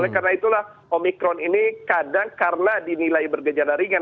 karena itulah omikron ini kadang karena dinilai bergejala ringan